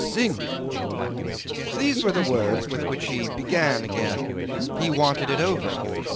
Sink!'" These were the words with which he began again. He wanted it over.